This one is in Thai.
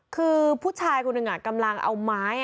คือผู้ชายคนหนึ่งกำลังเอาไม้